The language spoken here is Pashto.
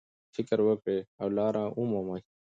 فکر وکړئ او لاره ومومئ.